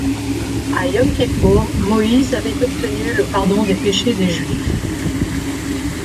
À Yom Kippour, Moïse avait obtenu le pardon des péchés des Juifs.